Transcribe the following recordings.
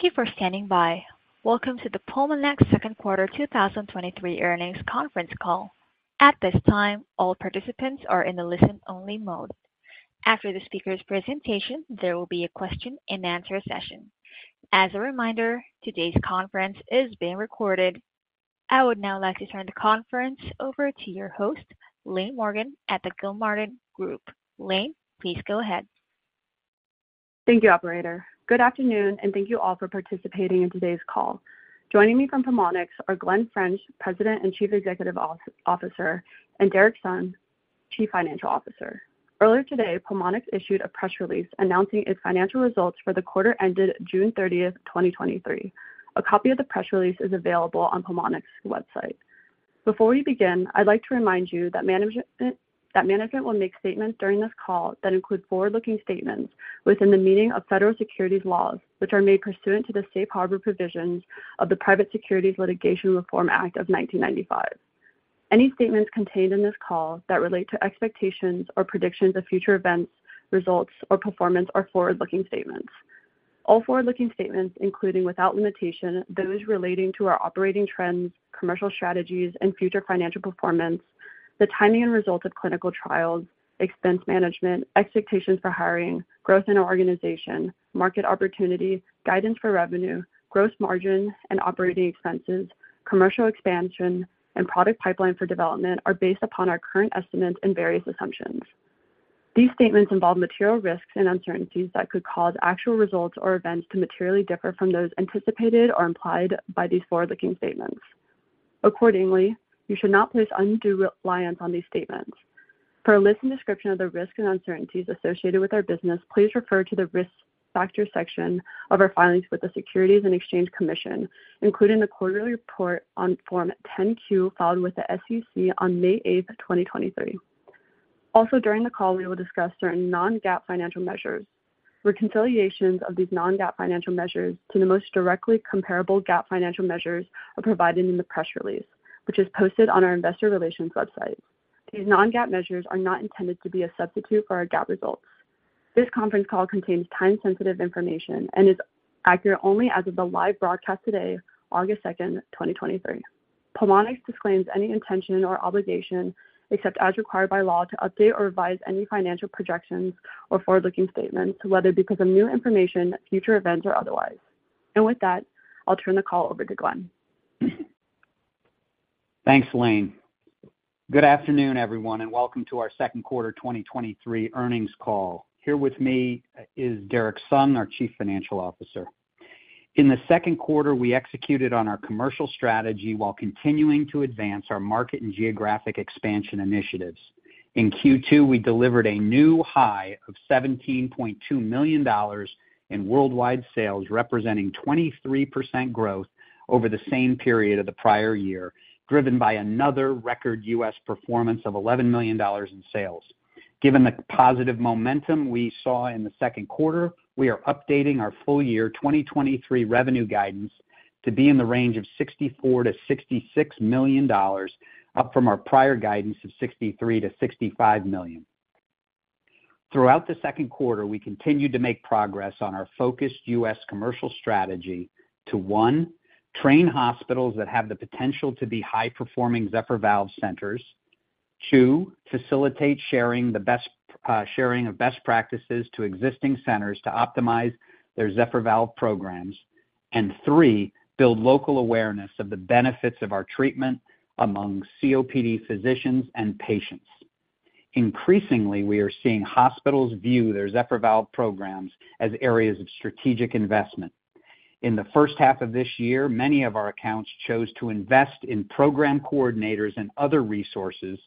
Thank you for standing by. Welcome to the Pulmonx second quarter 2023 earnings conference call. At this time, all participants are in a listen-only mode. After the speaker's presentation, there will be a question-and-answer session. As a reminder, today's conference is being recorded. I would now like to turn the conference over to your host, Lanysept Morgan, at the Gilmartin Group. Lane, please go ahead. Thank you, operator. Good afternoon, thank you all for participating in today's call. Joining me from Pulmonx are Glenn French, President and Chief Executive Officer, and Derek Sun, Chief Financial Officer. Earlier today, Pulmonx issued a press release announcing its financial results for the quarter ended June 30th, 2023. A copy of the press release is available on Pulmonx's website. Before we begin, I'd like to remind you that management will make statements during this call that include forward-looking statements within the meaning of federal securities laws, which are made pursuant to the Safe Harbor provisions of the Private Securities Litigation Reform Act of 1995. Any statements contained in this call that relate to expectations or predictions of future events, results, or performance are forward-looking statements. All forward-looking statements, including without limitation, those relating to our operating trends, commercial strategies, and future financial performance, the timing and results of clinical trials, expense management, expectations for hiring, growth in our organization, market opportunity, guidance for revenue, gross margin and operating expenses, commercial expansion, and product pipeline for development, are based upon our current estimates and various assumptions. These statements involve material risks and uncertainties that could cause actual results or events to materially differ from those anticipated or implied by these forward-looking statements. Accordingly, you should not place undue reliance on these statements. For a list and description of the risks and uncertainties associated with our business, please refer to the Risk Factors section of our filings with the Securities and Exchange Commission, including the quarterly report on Form 10-Q filed with the SEC on May 8, 2023.nen Also, during the call, we will discuss certain non-GAAP financial measures. Reconciliations of these non-GAAP financial measures to the most directly comparable GAAP financial measures are provided in the press release, which is posted on our investor relations website. These non-GAAP measures are not intended to be a substitute for our GAAP results. This conference call contains time-sensitive information and is accurate only as of the live broadcast today, August second, 2023. Pulmonx disclaims any intention or obligation, except as required by law, to update or revise any financial projections or forward-looking statements, whether because of new information, future events, or otherwise. With that, I'll turn the call over to Glenn. Thanks, Lane. Good afternoon, everyone, and welcome to our second quarter 2023 earnings call. Here with me, is Derek Sun, our Chief Financial Officer. In the second quarter, we executed on our commercial strategy while continuing to advance our market and geographic expansion initiatives. In Q2, we delivered a new high of $17.2 million in worldwide sales, representing 23% growth over the same period of the prior year, driven by another record U.S. performance of $11 million in sales. Given the positive momentum we saw in the second quarter, we are updating our full year 2023 revenue guidance to be in the range of $64 million-$66 million, up from our prior guidance of $63 million-$65 million. Throughout the second quarter, we continued to make progress on our focused US commercial strategy to, one, train hospitals that have the potential to be high-performing Zephyr Valve centers. Two, facilitate sharing the best sharing of best practices to existing centers to optimize their Zephyr Valve programs. Three, build local awareness of the benefits of our treatment among COPD physicians and patients. Increasingly, we are seeing hospitals view their Zephyr Valve programs as areas of strategic investment. In the first half of this year, many of our accounts chose to invest in program coordinators and other resources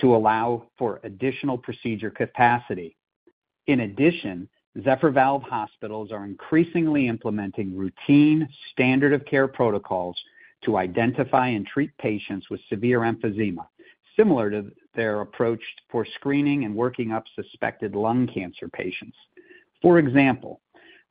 to allow for additional procedure capacity. In addition, Zephyr Valve hospitals are increasingly implementing routine standard of care protocols to identify and treat patients with severe emphysema, similar to their approach for screening and working up suspected lung cancer patients. For example,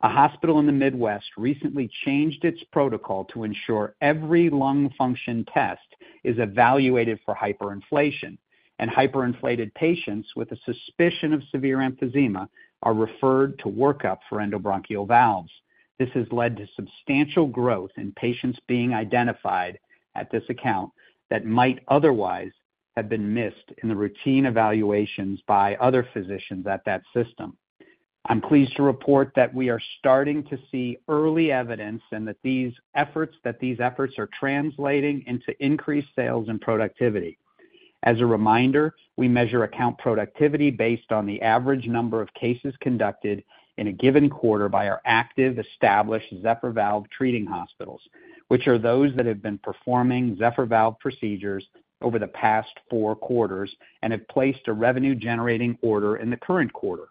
a hospital in the Midwest recently changed its protocol to ensure every lung function test is evaluated for hyperinflation, and hyperinflated patients with a suspicion of severe emphysema are referred to workup for endobronchial valves. This has led to substantial growth in patients being identified at this account that might otherwise have been missed in the routine evaluations by other physicians at that system. I'm pleased to report that we are starting to see early evidence and that these efforts are translating into increased sales and productivity. As a reminder, we measure account productivity based on the average number of cases conducted in a given quarter by our active, established Zephyr Valve treating hospitals, which are those that have been performing Zephyr Valve procedures over the past four quarters and have placed a revenue-generating order in the current quarter.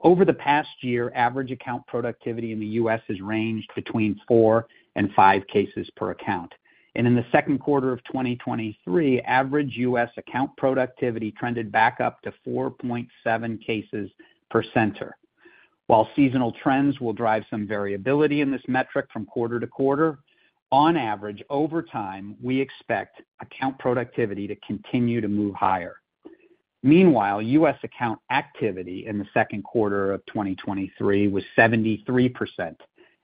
Over the past year, average account productivity in the U.S. has ranged between 4 and 5 cases per account, and in the second quarter of 2023, average U.S. account productivity trended back up to 4.7 cases per center. While seasonal trends will drive some variability in this metric from quarter to quarter, on average, over time, we expect account productivity to continue to move higher. Meanwhile, U.S. account activity in the second quarter of 2023 was 73%.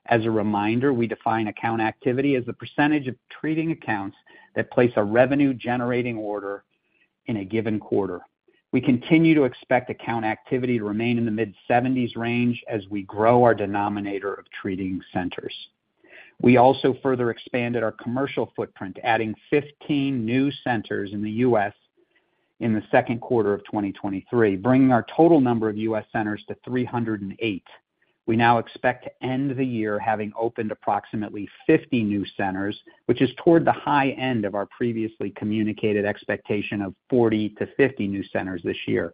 As a reminder, we define account activity as the percentage of treating accounts that place a revenue-generating order in a given quarter. We continue to expect account activity to remain in the mid-70s range as we grow our denominator of treating centers. We also further expanded our commercial footprint, adding 15 new centers in the U.S. in the second quarter of 2023, bringing our total number of U.S. centers to 308. We now expect to end the year having opened approximately 50 new centers, which is toward the high end of our previously communicated expectation of 40-50 new centers this year.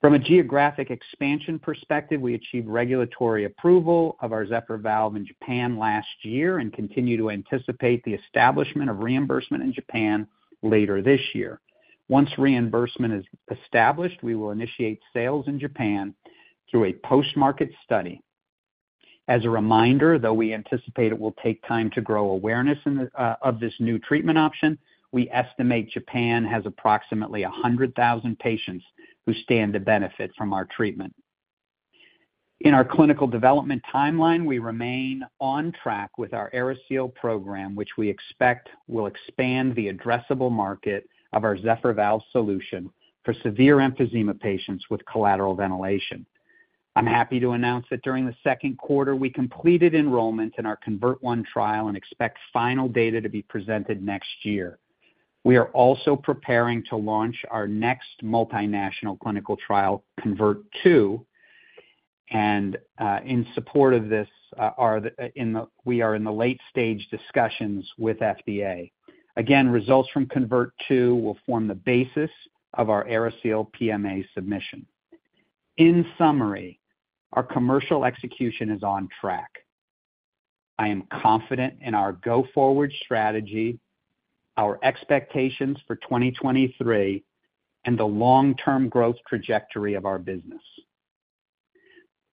From a geographic expansion perspective, we achieved regulatory approval of our Zephyr Valve in Japan last year and continue to anticipate the establishment of reimbursement in Japan later this year. Once reimbursement is established, we will initiate sales in Japan through a post-market study. As a reminder, though, we anticipate it will take time to grow awareness in the of this new treatment option. We estimate Japan has approximately 100,000 patients who stand to benefit from our treatment. In our clinical development timeline, we remain on track with our AeriSeal program, which we expect will expand the addressable market of our Zephyr Valve solution for severe emphysema patients with collateral ventilation. I'm happy to announce that during the second quarter, we completed enrollment in our CONVERT-1 trial and expect final data to be presented next year. We are also preparing to launch our next multinational clinical trial, CONVERT-2, in support of this, we are in the late stage discussions with FDA. Again, results from CONVERT-2 will form the basis of our AeriSeal PMA submission. In summary, our commercial execution is on track. I am confident in our go-forward strategy, our expectations for 2023, and the long-term growth trajectory of our business.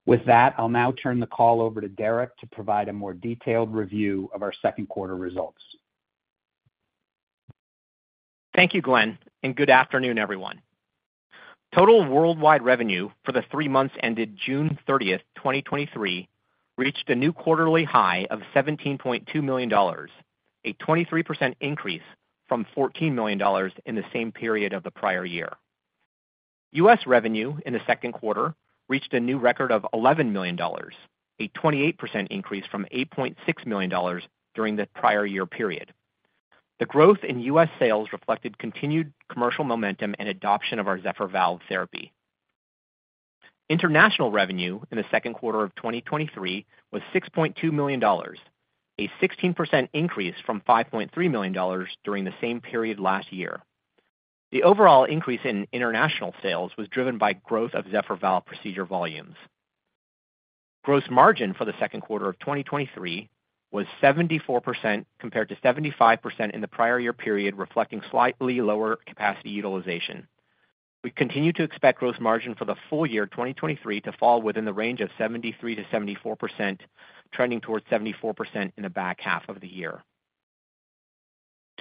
With that, I'll now turn the call over to Derek to provide a more detailed review of our second quarter results. Thank you, Glenn, good afternoon, everyone. Total worldwide revenue for the 3 months ended June 30, 2023, reached a new quarterly high of $17.2 million, a 23% increase from $14 million in the same period of the prior year. U.S. revenue in the second quarter reached a new record of $11 million, a 28% increase from $8.6 million during the prior year period. The growth in U.S. sales reflected continued commercial momentum and adoption of our Zephyr Valve therapy. International revenue in the second quarter of 2023 was $6.2 million, a 16% increase from $5.3 million during the same period last year. The overall increase in international sales was driven by growth of Zephyr Valve procedure volumes. Gross margin for the second quarter of 2023 was 74%, compared to 75% in the prior year period, reflecting slightly lower capacity utilization. We continue to expect gross margin for the full year 2023 to fall within the range of 73%-74%, trending towards 74% in the back half of the year.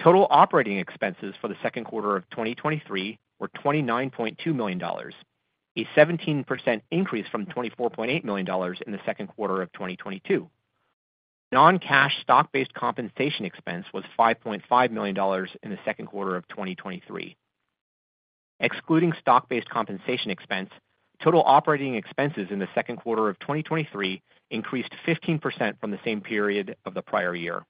Total operating expenses for the second quarter of 2023 were $29.2 million, a 17% increase from $24.8 million in the second quarter of 2022. Non-cash stock-based compensation expense was $5.5 million in the second quarter of 2023. Excluding stock-based compensation expense, total operating expenses in the second quarter of 2023 increased 15% from the same period of the prior year.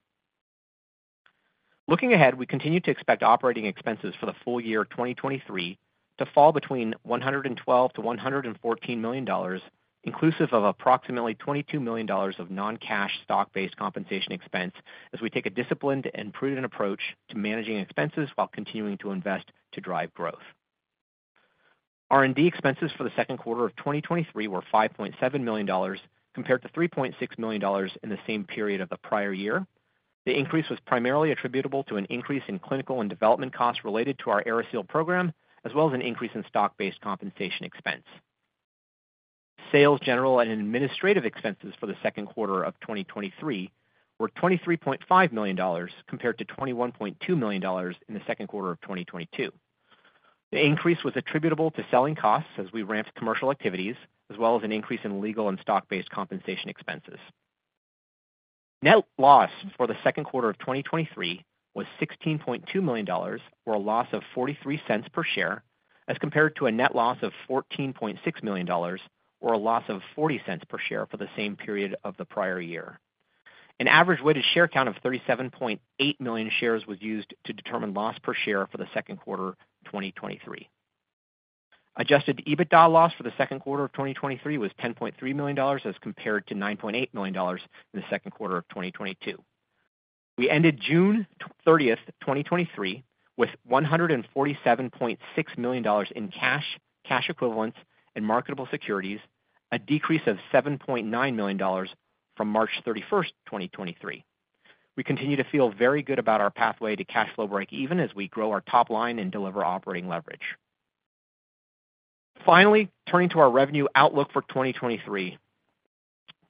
Looking ahead, we continue to expect operating expenses for the full year 2023 to fall between $112 million-$114 million, inclusive of approximately $22 million of non-cash stock-based compensation expense, as we take a disciplined and prudent approach to managing expenses while continuing to invest to drive growth. R&D expenses for the second quarter of 2023 were $5.7 million, compared to $3.6 million in the same period of the prior year. The increase was primarily attributable to an increase in clinical and development costs related to our AeriSeal program, as well as an increase in stock-based compensation expense. Sales, general, and administrative expenses for the second quarter of 2023 were $23.5 million, compared to $21.2 million in the second quarter of 2022. The increase was attributable to selling costs as we ramped commercial activities, as well as an increase in legal and stock-based compensation expenses. Net loss for the second quarter of 2023 was $16.2 million, or a loss of $0.43 per share, as compared to a net loss of $14.6 million, or a loss of $0.40 per share for the same period of the prior year. An average weighted share count of 37.8 million shares was used to determine loss per share for the second quarter of 2023. Adjusted EBITDA loss for the second quarter of 2023 was $10.3 million, as compared to $9.8 million in the second quarter of 2022. We ended June 30, 2023, with $147.6 million in cash, cash equivalents, and marketable securities, a decrease of $7.9 million from March 31, 2023. We continue to feel very good about our pathway to cash flow breakeven as we grow our top line and deliver operating leverage. Finally, turning to our revenue outlook for 2023.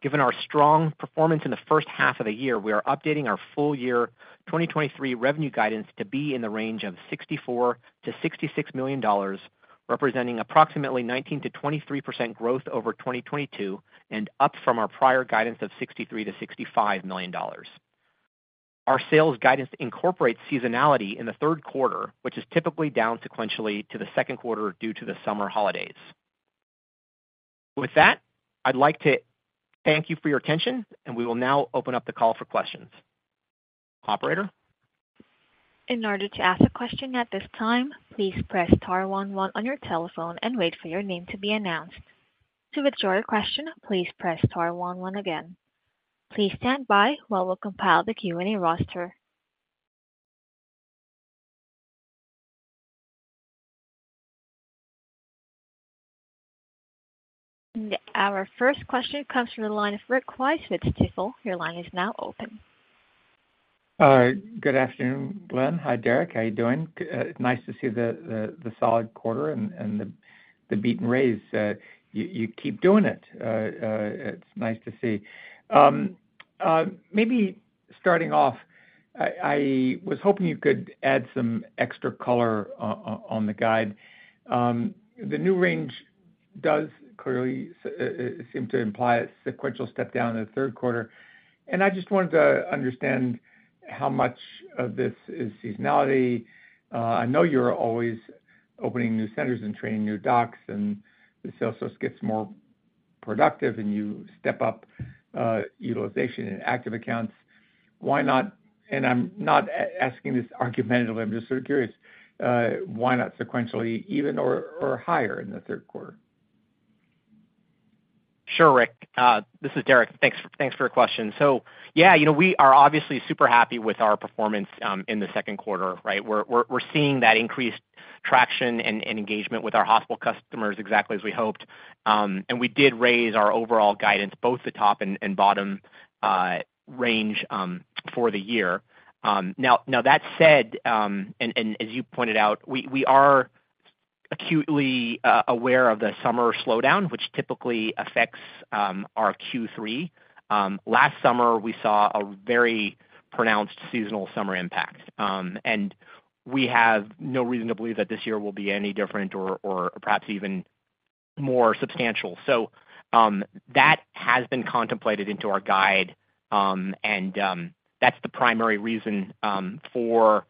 Given our strong performance in the first half of the year, we are updating our full year 2023 revenue guidance to be in the range of $64 million-$66 million, representing approximately 19%-23% growth over 2022 and up from our prior guidance of $63 million-$65 million. Our sales guidance incorporates seasonality in the third quarter, which is typically down sequentially to the second quarter due to the summer holidays. With that, I'd like to thank you for your attention. We will now open up the call for questions. Operator? In order to ask a question at this time, please press star one one on your telephone and wait for your name to be announced. To withdraw your question, please press star one one again. Please stand by while we compile the Q&A roster. Our first question comes from the line of Rick Weiss with Stifel. Your line is now open. Good afternoon, Glenn. Hi, Derek. How are you doing? Nice to see the, the, the solid quarter and, and the, the beat and raise. You, you keep doing it. It's nice to see. Maybe starting off, I, I was hoping you could add some extra color on the guide. The new range does clearly seem to imply a sequential step down in the third quarter, and I just wanted to understand how much of this is seasonality. I know you're always opening new centers and training new docs, and the sales force gets more productive, and you step up utilization in active accounts. Why not, and I'm not asking this argumentatively, I'm just sort of curious, why not sequentially even or, or higher in the third quarter? Sure, Rick. This is Derek. Thanks, thanks for your question. Yeah, you know, we are obviously super happy with our performance in the second quarter, right? We're, we're, we're seeing that increased traction and, and engagement with our hospital customers exactly as we hoped. We did raise our overall guidance, both the top and, and bottom range for the year. Now, that said, as you pointed out, we are acutely aware of the summer slowdown, which typically affects our Q3. Last summer, we saw a very pronounced seasonal summer impact. We have no reason to believe that this year will be any different or, or perhaps even more substantial. That has been contemplated into our guide, and that's the primary reason for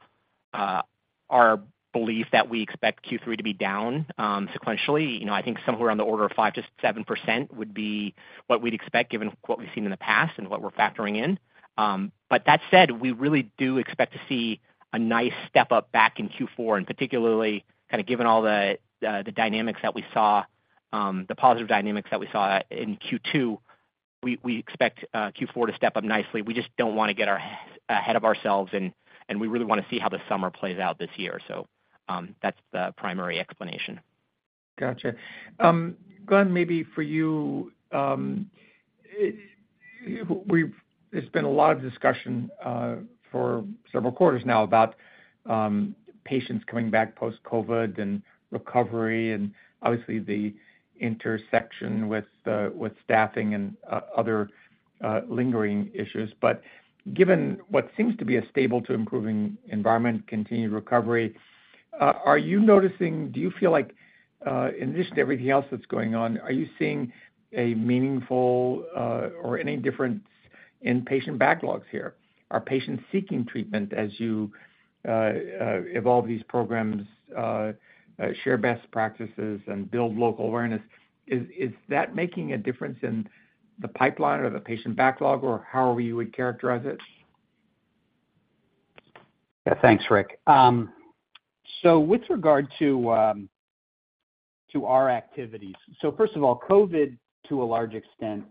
our belief that we expect Q3 to be down sequentially. You know, I think somewhere on the order of 5%-7% would be what we'd expect, given what we've seen in the past and what we're factoring in. That said, we really do expect to see a nice step up back in Q4, and particularly, kind of given all the dynamics that we saw, the positive dynamics that we saw in Q2, we, we expect Q4 to step up nicely. We just don't wanna get our ahead of ourselves, and, and we really wanna see how the summer plays out this year. That's the primary explanation. Gotcha. Glenn, maybe for you, we've-- there's been a lot of discussion for several quarters now about patients coming back post-COVID and recovery and obviously the intersection with staffing and other lingering issues. Given what seems to be a stable to improving environment, continued recovery, do you feel like in addition to everything else that's going on, are you seeing a meaningful or any difference in patient backlogs here? Are patients seeking treatment as you evolve these programs, share best practices and build local awareness? Is that making a difference in the pipeline or the patient backlog or however you would characterize it? Yeah, thanks, Rick. With regard to, to our activities, first of all, COVID, to a large extent,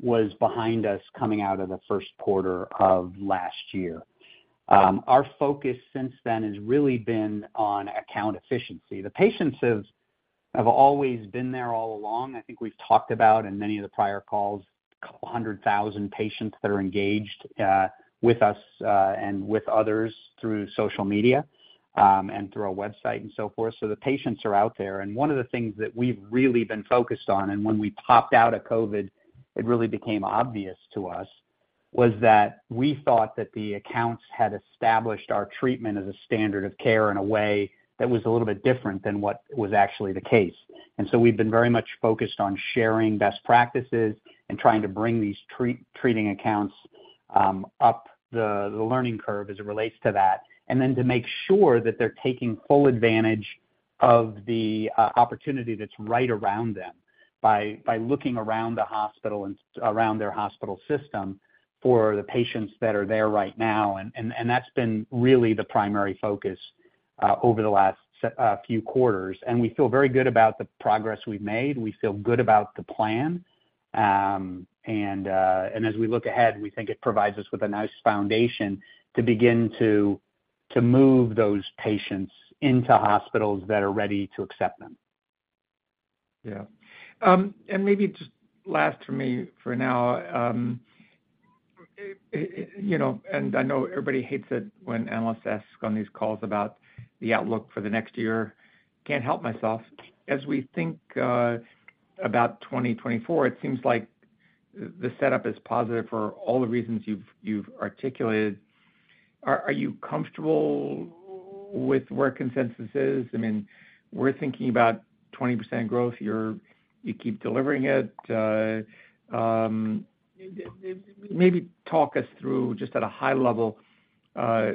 was behind us coming out of the first quarter of last year. Our focus since then has really been on account efficiency. The patients have, have always been there all along. I think we've talked about in many of the prior calls, 200,000 patients that are engaged, with us, and with others through social media, and through our website and so forth. The patients are out there, and one of the things that we've really been focused on, and when we popped out of COVID, it really became obvious to us, was that we thought that the accounts had established our treatment as a standard of care in a way that was a little bit different than what was actually the case. We've been very much focused on sharing best practices and trying to bring these treating accounts up the learning curve as it relates to that, and then to make sure that they're taking full advantage of the opportunity that's right around them by looking around the hospital and around their hospital system for the patients that are there right now. That's been really the primary focus over the last few quarters, and we feel very good about the progress we've made. We feel good about the plan. As we look ahead, we think it provides us with a nice foundation to begin to, to move those patients into hospitals that are ready to accept them. Yeah. Maybe just last for me for now, you know, I know everybody hates it when analysts ask on these calls about the outlook for the next year. Can't help myself. As we think about 2024, it seems like the, the setup is positive for all the reasons you've, you've articulated. Are, are you comfortable with where consensus is? I mean, we're thinking about 20% growth. You keep delivering it. Maybe talk us through, just at a high level, the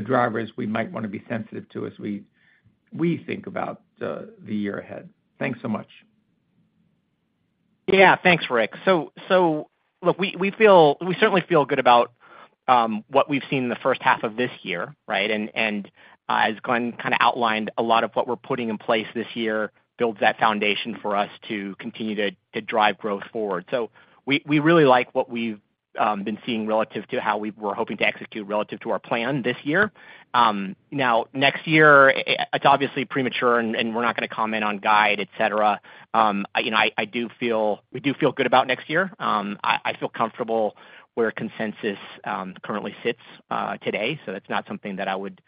drivers we might wanna be sensitive to as we, we think about, the year ahead. Thanks so much. Yeah, thanks, Rick. Look, we, we feel-- we certainly feel good about what we've seen in the first half of this year, right? As Glenn kind of outlined, a lot of what we're putting in place this year builds that foundation for us to continue to, to drive growth forward. We, we really like what we've been seeing relative to how we were hoping to execute relative to our plan this year. Now, next year, it's obviously premature, and, and we're not gonna comment on guide, et cetera. You know, I, I do feel, we do feel good about next year. I, I feel comfortable where consensus currently sits today, so that's not something that I would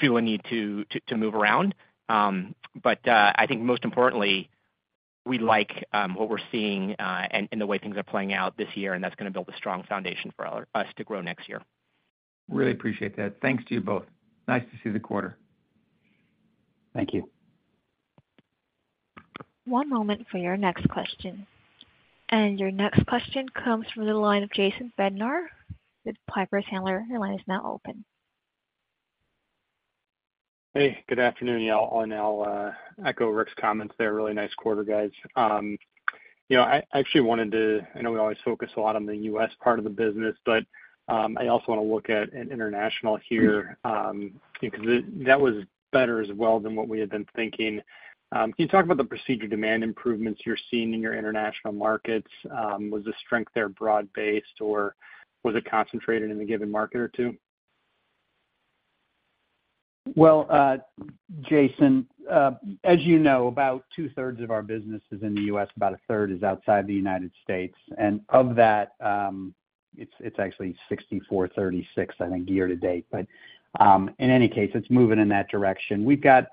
feel a need to, to, to move around. I think most importantly, we like, what we're seeing, and the way things are playing out this year, and that's gonna build a strong foundation for our, us to grow next year. Really appreciate that. Thanks to you both. Nice to see the quarter. Thank you. One moment for your next question. Your next question comes from the line of Jason Bednar with Piper Sandler. Your line is now open. Hey, good afternoon, y'all. I'll echo Rick's comments there. Really nice quarter, guys. You know, I actually wanted to. I know we always focus a lot on the U.S. part of the business. I also wanna look at international here, because that was better as well than what we had been thinking. Can you talk about the procedure demand improvements you're seeing in your international markets? Was the strength there broad-based, or was it concentrated in a given market or two? Well, Jason, as you know, about two-thirds of our business is in the U.S. About a third is outside the United States, and of that, it's actually 64/36, I think, year to date. In any case, it's moving in that direction. We've got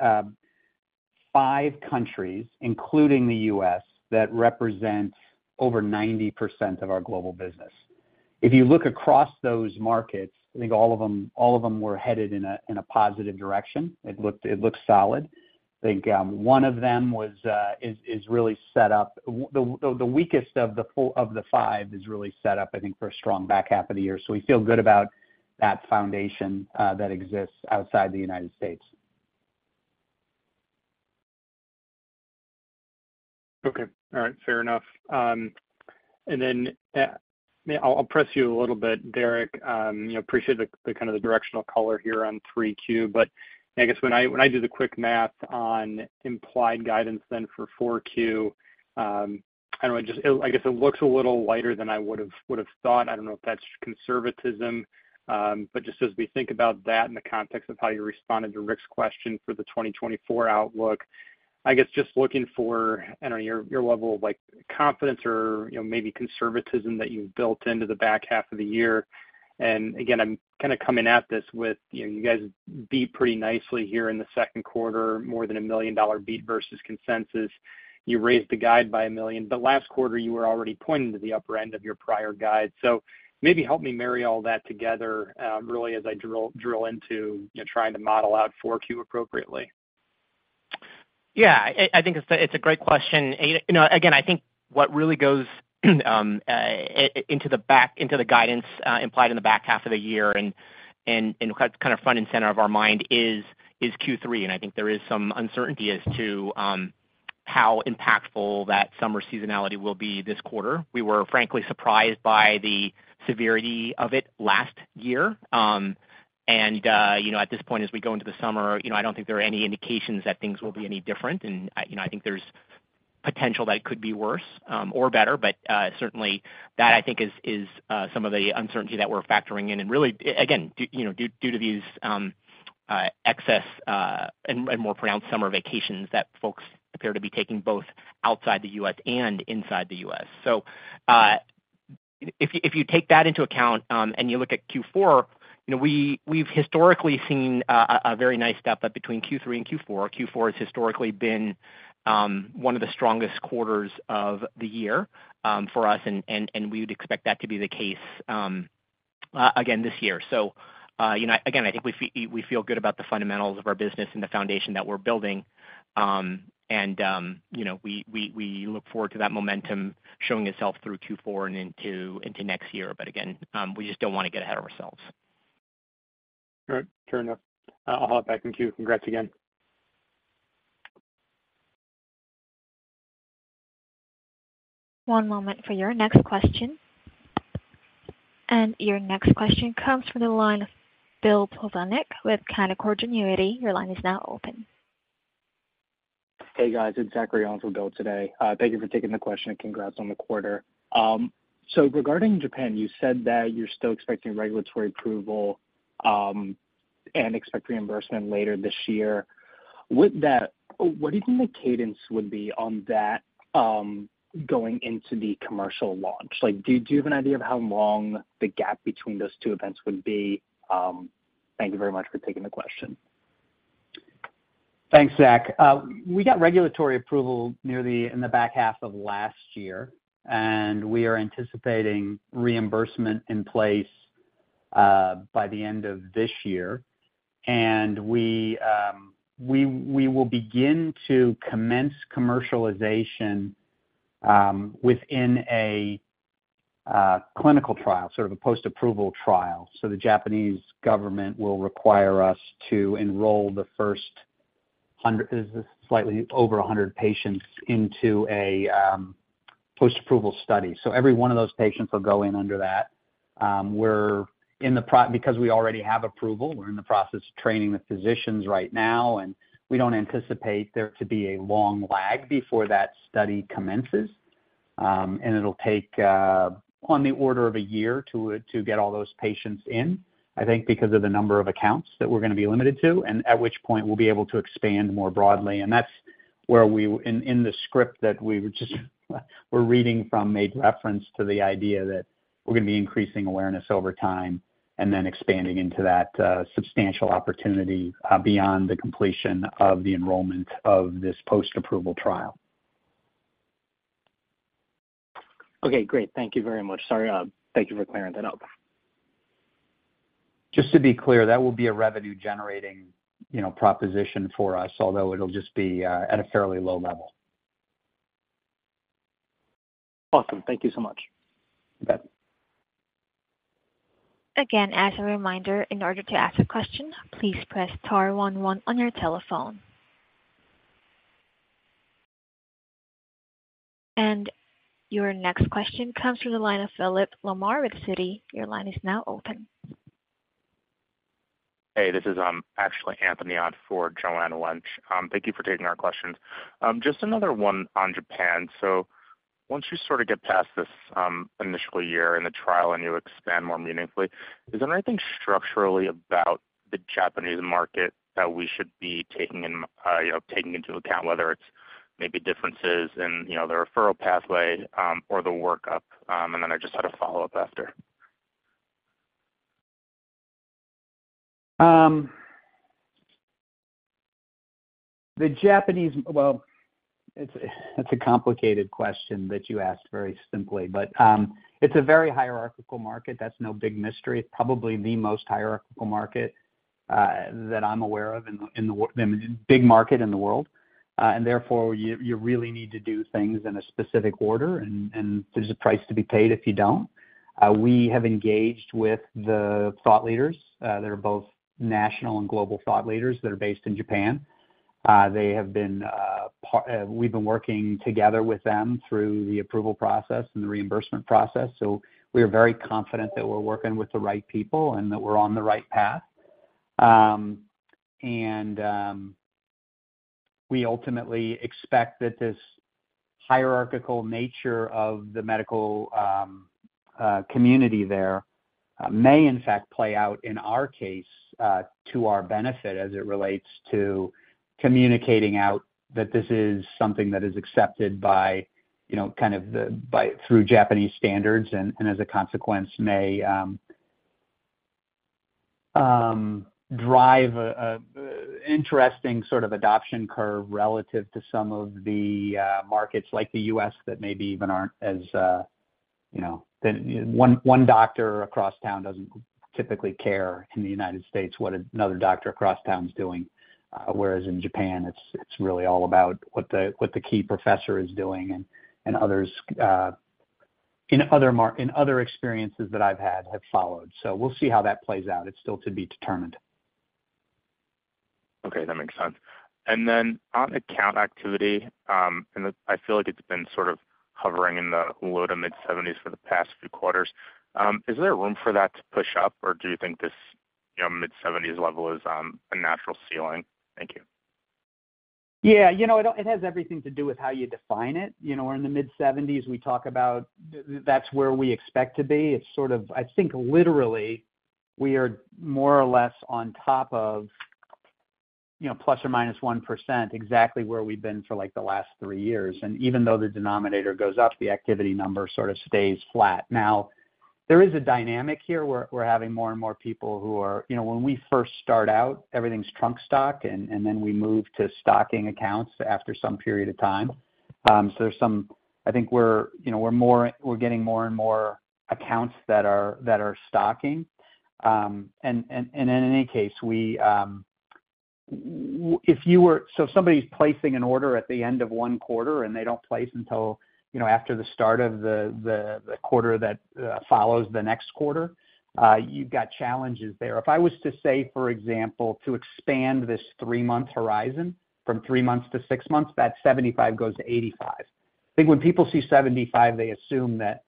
five countries, including the U.S., that represent over 90% of our global business. If you look across those markets, I think all of them, all of them were headed in a positive direction. It looked, it looked solid. I think one of them was, is really set up. The weakest of the four, of the five is really set up, I think, for a strong back half of the year. We feel good about that foundation that exists outside the United States. Okay. All right, fair enough. Then, I'll, I'll press you a little bit, Derek. You know, appreciate the, the kind of the directional color here on 3Q. I guess when I, when I did the quick math on implied guidance then for 4Q, I don't know, just, it, I guess it looks a little lighter than I would've, would've thought. I don't know if that's conservatism. Just as we think about that in the context of how you responded to Rick's question for the 2024 outlook, I guess just looking for, I don't know, your, your level of, like, confidence or, you know, maybe conservatism that you've built into the back half of the year? Again, I'm kind of coming at this with, you know, you guys beat pretty nicely here in the second quarter, more than a $1 million beat versus consensus. You raised the guide by $1 million. Last quarter, you were already pointing to the upper end of your prior guide. Maybe help me marry all that together, really as I drill, drill into, you know, trying to model out 4Q appropriately. Yeah, I, I think it's a, it's a great question. You know, again, I think what really goes i-into the back, into the guidance, implied in the back half of the year and, and, and kind of front and center of our mind is, is Q3. I think there is some uncertainty as to how impactful that summer seasonality will be this quarter. We were frankly surprised by the severity of it last year. You know, at this point, as we go into the summer, you know, I don't think there are any indications that things will be any different. You know, I think there's potential that it could be worse, or better. Certainly that, I think, is, is, some of the uncertainty that we're factoring in. Really, again, you know, due, due to these excess, and more pronounced summer vacations that folks appear to be taking both outside the U.S. and inside the U.S. If you, if you take that into account, and you look at Q4, you know, we, we've historically seen a very nice step up between Q3 and Q4. Q4 has historically been one of the strongest quarters of the year for us, and we would expect that to be the case again this year. You know, again, I think we feel good about the fundamentals of our business and the foundation that we're building. And, you know, we, we, we look forward to that momentum showing itself through Q4 and into, into next year. Again, we just don't wanna get ahead of ourselves. All right, fair enough. I'll hop back in queue. Congrats again. One moment for your next question. Your next question comes from the line of Bill Plovanic with Canaccord Genuity. Your line is now open. Hey, guys. It's Zachary on for Bill today. Thank you for taking the question, and congrats on the quarter. Regarding Japan, you said that you're still expecting regulatory approval, ... expect reimbursement later this year. With that, what do you think the cadence would be on that, going into the commercial launch? Like, do, do you have an idea of how long the gap between those two events would be? Thank you very much for taking the question. Thanks, Zach. We got regulatory approval nearly in the back half of last year, and we are anticipating reimbursement in place by the end of this year. We will begin to commence commercialization within a clinical trial, sort of a post-approval trial. The Japanese government will require us to enroll the first 100- slightly over 100 patients into a post-approval study. Every one of those patients will go in under that. Because we already have approval, we're in the process of training the physicians right now, and we don't anticipate there to be a long lag before that study commences. It'll take on the order of a year to get all those patients in, I think, because of the number of accounts that we're gonna be limited to, and at which point we'll be able to expand more broadly. That's where in the script that we were just were reading from, made reference to the idea that we're gonna be increasing awareness over time and then expanding into that substantial opportunity beyond the completion of the enrollment of this post-approval trial. Okay, great. Thank You very much. Sorry, thank you for clearing that up. Just to be clear, that will be a revenue-generating, you know, proposition for us, although it'll just be at a fairly low level. Awesome. Thank you so much. You bet. Again, as a reminder, in order to ask a question, please press star one one on your telephone. Your next question comes from the line of Philip Lamar with Citi. Your line is now open. Hey, this is actually Anthony Odd for Joanne Wuensch. Thank you for taking our questions. Just another one on Japan. Once you sort of get past this initial year in the trial and you expand more meaningfully, is there anything structurally about the Japanese market that we should be taking in, you know, taking into account, whether it's maybe differences in, you know, the referral pathway, or the workup? Then I just had a follow-up after. Well, it's, it's a complicated question that you asked very simply, but it's a very hierarchical market. That's no big mystery. It's probably the most hierarchical market that I'm aware of in, in the big market in the world. Therefore, you, you really need to do things in a specific order, there's a price to be paid if you don't. We have engaged with the thought leaders that are both national and global thought leaders that are based in Japan. We've been working together with them through the approval process and the reimbursement process, so we are very confident that we're working with the right people and that we're on the right path. We ultimately expect that this hierarchical nature of the medical community there may in fact play out in our case to our benefit as it relates to communicating out that this is something that is accepted by, you know, kind of the, by, through Japanese standards, as a consequence, may drive a, a, interesting sort of adoption curve relative to some of the markets like the U.S., that maybe even aren't as, you know. One, one doctor across town doesn't typically care in the United States what another doctor across town is doing. Whereas in Japan, it's, it's really all about what the, what the key professor is doing and others, in other experiences that I've had, have followed. We'll see how that plays out. It's still to be determined. Okay, that makes sense. Then on account activity, and I feel like it's been sort of hovering in the low to mid seventies for the past few quarters, is there room for that to push up, or do you think this, you know, mid seventies level is a natural ceiling? Thank you. Yeah, you know, it, it has everything to do with how you define it. You know, we're in the mid-70s, we talk about that's where we expect to be. It's sort of. I think literally, we are more or less on top of, you know, ±1%, exactly where we've been for, like, the last three years. Even though the denominator goes up, the activity number sort of stays flat. Now, there is a dynamic here where we're having more and more people who are. You know, when we first start out, everything's trunk stock, and then we move to stocking accounts after some period of time. So there's some. I think we're, you know, we're more, we're getting more and more accounts that are, that are stocking. In any case, we, if somebody's placing an order at the end of 1 quarter and they don't place until, you know, after the start of the, the, the quarter that follows the next quarter, you've got challenges there. If I was to say, for example, to expand this 3-month horizon from 3 months to 6 months, that 75 goes to 85. I think when people see 75, they assume that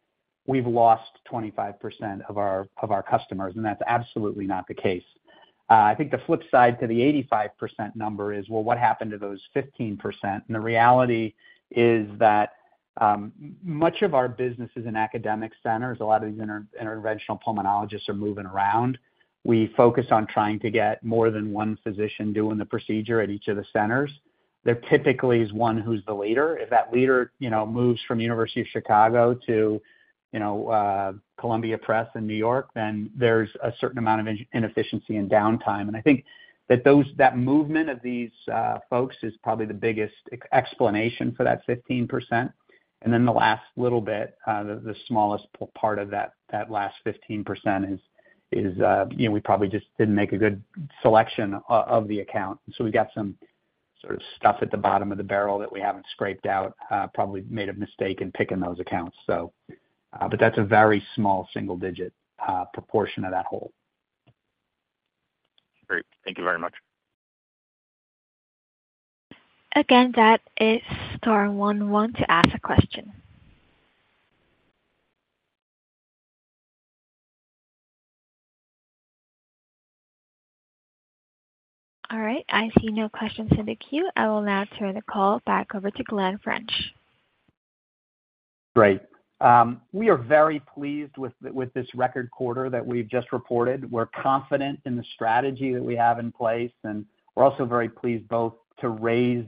we've lost 25% of our, of our customers, and that's absolutely not the case. I think the flip side to the 85% number is, well, what happened to those 15%? The reality is that much of our business is in academic centers. A lot of these interventional pulmonologists are moving around. We focus on trying to get more than one physician doing the procedure at each of the centers. There typically is one who's the leader. If that leader, you know, moves from University of Chicago to, you know, Columbia Presbyterian in New York, then there's a certain amount of inefficiency and downtime. I think that those, that movement of these folks is probably the biggest explanation for that 15%. Then the last little bit, the smallest part of that, that last 15% is, is, you know, we probably just didn't make a good selection of the account. We got some sort of stuff at the bottom of the barrel that we haven't scraped out, probably made a mistake in picking those accounts. That's a very small single digit, proportion of that whole. Great. Thank you very much. Again, that is star one one to ask a question. All right, I see no questions in the queue. I will now turn the call back over to Glenn French. Great. We are very pleased with, with this record quarter that we've just reported. We're confident in the strategy that we have in place, and we're also very pleased both to raise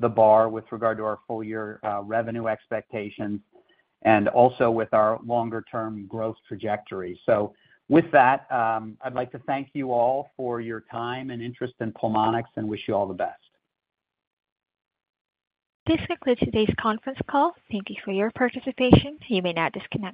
the bar with regard to our full year revenue expectations and also with our longer-term growth trajectory. With that, I'd like to thank you all for your time and interest in Pulmonx, and wish you all the best. This concludes today's conference call. Thank you for your participation. You may now disconnect.